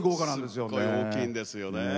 すごい大きいんですよね。